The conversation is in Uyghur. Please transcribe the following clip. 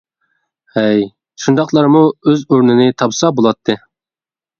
ھەي شۇنداقلارمۇ ئۆز ئورنىنى تاپسا بولاتتى.